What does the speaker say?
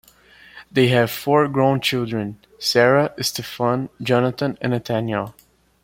They have four grown children: Sarah, Stephan, Jonathan, and Nathaniel.